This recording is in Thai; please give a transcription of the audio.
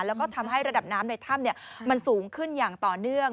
แล้วก็ทำให้ระดับน้ำในถ้ำมันสูงขึ้นอย่างต่อเนื่อง